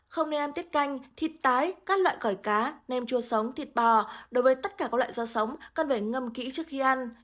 không nên ăn tiết canh thịt tái các loại cỏ cá nem chua sống thịt bò đối với tất cả các loại rau sống cần phải ngâm kỹ trước khi ăn